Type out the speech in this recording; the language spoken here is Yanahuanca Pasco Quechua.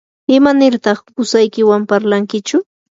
¿imanirtaq qusaykiwan parlankichu?